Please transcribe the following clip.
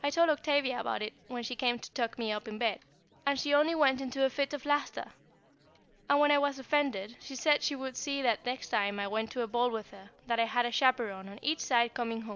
I told Octavia about it when she came to tuck me up in bed; and she only went into a fit of laughter, and when I was offended, she said she would see that the next time I went to a ball with her, that I had a chaperon on each side coming home.